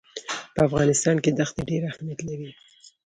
په افغانستان کې دښتې ډېر اهمیت لري.